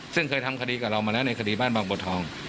ซึ่งเคยทำคดีกับเรามาแล้วในคดีบ้านบางบัวทอง